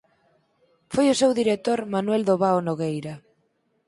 Foi o seu director Manuel Dobao Nogueira.